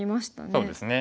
そうですね。